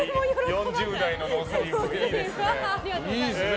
４０代のノースリーブいいですね。